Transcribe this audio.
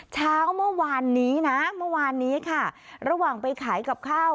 เช้าเมื่อวานนี้นะเมื่อวานนี้ค่ะระหว่างไปขายกับข้าว